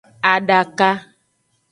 Adaka.